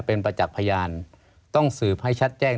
เป็นประจักษ์พยานต้องสืบให้ชัดแจ้ง